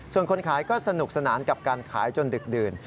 ส่วนคนขายก็สนุกสนานกับการขายจนดึกดื่น